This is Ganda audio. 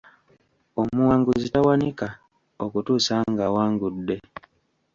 Omuwanguzi tawanika, okutuusa ng’awangudde.